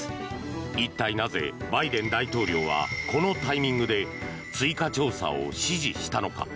一体なぜ、バイデン大統領はこのタイミングで追加調査を指示したのか。